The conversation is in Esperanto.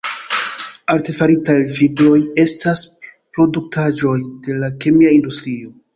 Artefaritaj fibroj estas produktaĵoj de la kemia industrio.